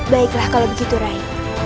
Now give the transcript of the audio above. baiklah kalau begitu rai